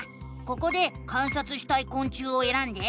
ここで観察したいこん虫をえらんで。